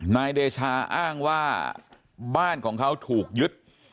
นายเดชาอ้างว่าบ้านของเขาถูกยึด